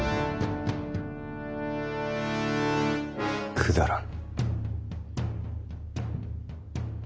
くだらん？